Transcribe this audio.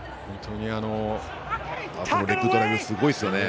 レッグドライブ、すごいですね。